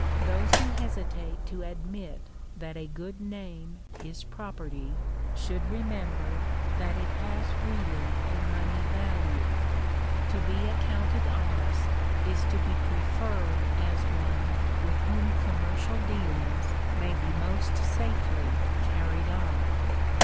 Those whp hesitate to admit that a good name is property, should remember that it has really a money value. To be ac counted honest is to be preferred as one with whom commer cial dealings may be most safely carried on.